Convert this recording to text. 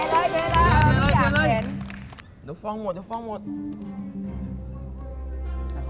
หมุนตัวไหมหมุนตัวไหม